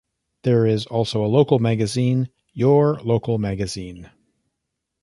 There is also a local magazine, "Your Local Magazine".